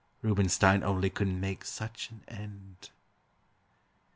Rubinstein only could make such an end!